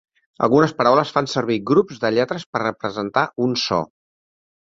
Algunes paraules fan servir grups de lletres per representar un so.